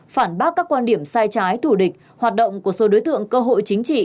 phản bác các quan điểm sai trái thủ địch hoạt động của số đối tượng cơ hội chính trị